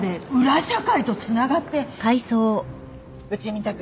うちみたく